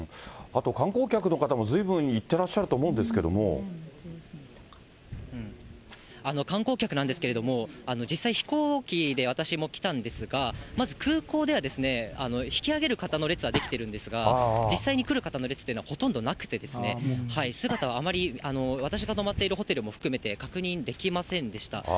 あと観光客の方もずいぶん行ってらっしゃると思うんですけど観光客なんですけれども、実際飛行機で私も来たんですが、まず空港では、引き揚げる方の列は出来ているんですが、実際に来る方の列というのはほとんどなくて、姿は、私が泊まっているホテルも含めて確認できませんでした。